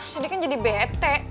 sindi kan jadi bete